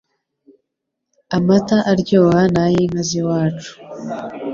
amata aryoha nayinka z'iwacu